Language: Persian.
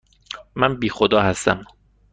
من بی خدا هستم.